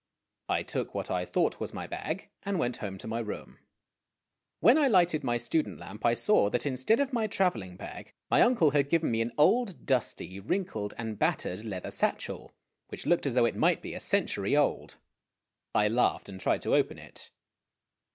I took what I thought was my bag, and went home to my room. When I lighted my student lamp I saw that, instead of my traveling bag, my uncle had given me an old, dusty, wrinkled, and battered leather satchel, which looked as though it might be a century old. I laughed, and tried to open it.